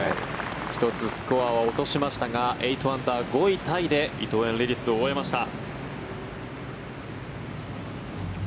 １つ、スコアは落としましたが８アンダー、５位タイで伊藤園レディスを終えました。